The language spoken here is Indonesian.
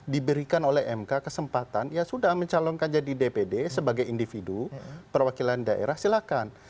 diberikan oleh mk kesempatan ya sudah mencalonkan jadi dpd sebagai individu perwakilan daerah silakan